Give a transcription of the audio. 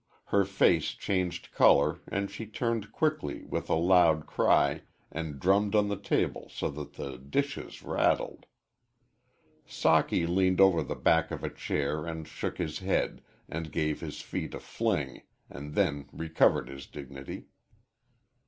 Her face changed color and she turned quickly, with a loud cry, and drummed on the table so that the dishes rattled. Socky leaned over the back of a chair and shook his head, and gave his feet a fling and then recovered his dignity.